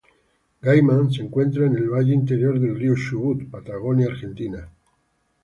Gaiman se encuentra en el Valle inferior del río Chubut, Patagonia Argentina.